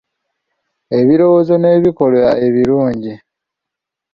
Ebirowoozo n’ebikolwa ebilungi